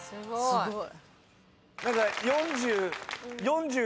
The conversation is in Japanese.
・すごい！